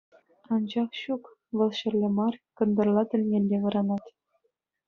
Анчах ҫук — вӑл ҫӗрле мар, кӑнтӑрла тӗлнелле вӑранать.